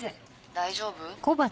大丈夫？